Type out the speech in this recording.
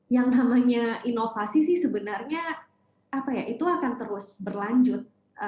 yang namanya inovasi sih sebenarnya apa ya itu akan terus berlanjut